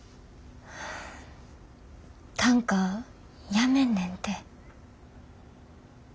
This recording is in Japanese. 短歌やめんねんて。